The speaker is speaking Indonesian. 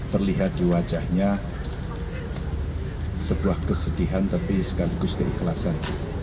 terlihat di wajahnya sebuah kesedihan tapi sekaligus keikhlasan